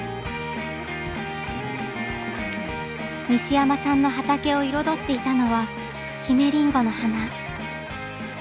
西山さんの畑を彩っていたのはヒメリンゴの花。